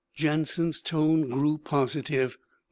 Jansen's tone grew positive.